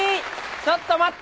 ちょっと待ってよ。